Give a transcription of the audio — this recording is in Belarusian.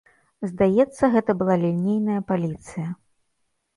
Здаецца, гэта была лінейная паліцыя.